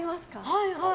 はいはい。